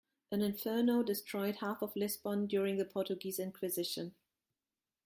An inferno destroyed half of Lisbon during the Portuguese inquisition.